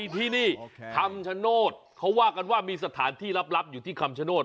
ที่นี่คำชโนธเขาว่ากันว่ามีสถานที่ลับอยู่ที่คำชโนธ